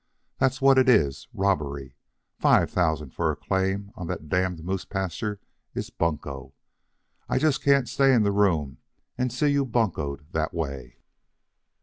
That's what it is robbery. Five thousand for a claim on that damned moose pasture is bunco. I just can't stay in the room and see you buncoed that way."